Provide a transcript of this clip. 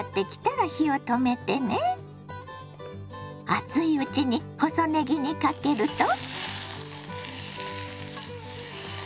熱いうちに細ねぎにかけると。